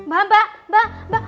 mbak mbak mbak mbak